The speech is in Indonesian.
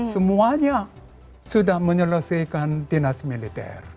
semuanya sudah menyelesaikan dinas militer